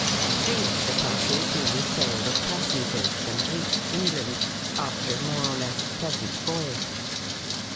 Three of the party duly sailed as passengers, and reached Eng land after a more or less pleasant voyage.